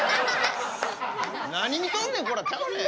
「何見とんねんこら」ちゃうで。